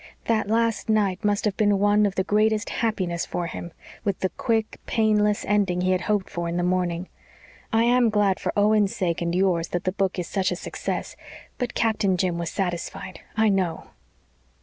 That last night must have been one of the greatest happiness for him with the quick, painless ending he had hoped for in the morning. I am glad for Owen's sake and yours that the book is such a success but Captain Jim was satisfied I KNOW."